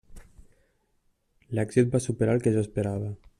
L'èxit va superar el que jo esperava.